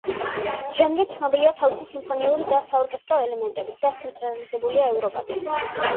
ჟანრი ცნობილია თავისი სიმფონიური და საორკესტრო ელემენტებით და ცენტრალიზებულია ევროპაზე.